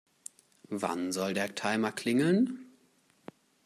Wann soll der Timer klingeln?